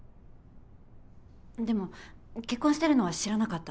でも結婚してるのは知らなかった。